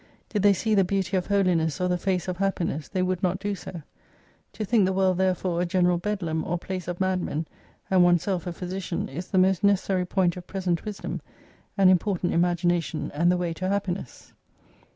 Did they see the beauty of Holiness or the face of Happiness, they would not do so. To think the world therefore a general Bedlam, or place of madmen, and oneself a physician, is the most necessary point of present wisdom : an [important imagination, and the way to Happiness.